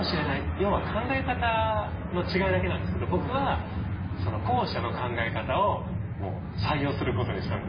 要は考え方の違いだけなんですけど僕は後者の考え方をもう採用することにしたんですね。